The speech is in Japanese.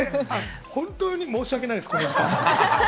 本当に申し訳ないですこの時間。